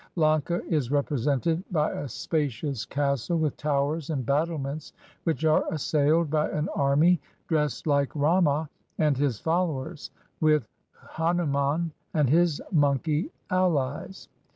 Lanka is repre sented by a spacious castle with towers and battlements, which are assailed by an army dressed hke Rama and his followers, with Hanuman and his monkey allies.